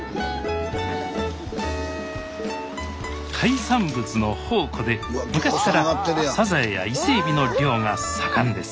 海産物の宝庫で昔からサザエや伊勢えびの漁が盛んです